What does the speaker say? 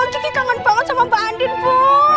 kiki kangen banget sama mba andin bu